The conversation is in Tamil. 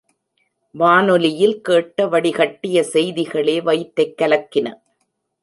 வானொலியில் கேட்ட வடிகட்டிய செய்திகளே வயிற்றைக் கலக்கின.